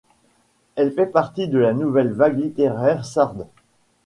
Elle fait partie de la Nouvelle Vague littéraire sarde.